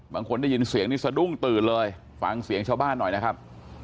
บางคนได้ยินเสียงนี่สะดุ้งตื่นเลยฟังเสียงชาวบ้านหน่อยนะครับ